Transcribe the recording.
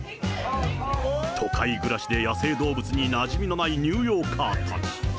都会暮らしで野生動物になじみのないニューヨーカーたち。